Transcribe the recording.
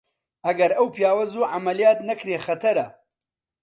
ئەگەر ئەو پیاوە زوو عەمەلیات نەکرێ خەتەرە!